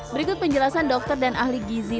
berikut penjelasan dokter dan ahli gizi